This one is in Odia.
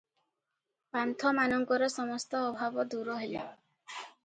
ପାନ୍ଥମାନଙ୍କର ସମସ୍ତ ଅଭାବ ଦୂର ହେଲା ।